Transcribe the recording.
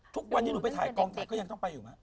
ทุกวันที่หนูไปถ่ายกองถ่ายก็ยังต้องไปอยู่มั้ย